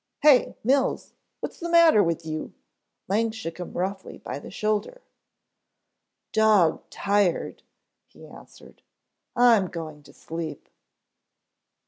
"Hey, Mills, what's the matter with you?" Lang shook him roughly by the shoulder. "Dog tired," he answered. "I'm going to sleep."